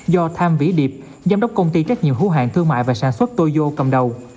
do tham vĩ điệp giám đốc công ty trách nhiệm hữu hạng thương mại và sản xuất tô cầm đầu